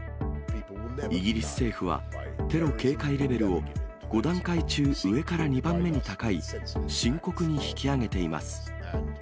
イギリス政府は、テロ警戒レベルを、５段階中、上から２番目に高い、深刻に引き上げています。